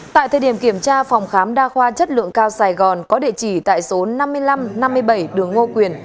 tại thời điểm kiểm tra phòng khám đa khoa chất lượng cao sài gòn có địa chỉ tại số năm mươi năm năm mươi bảy đường ngô quyền